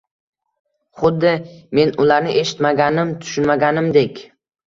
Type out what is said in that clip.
Xuddi men ularni eshitmaganim, tushunmaganimdek…»